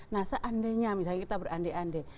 nah seandainya misalnya kita berande ande